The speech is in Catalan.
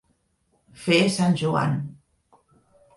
Fer sant Joan.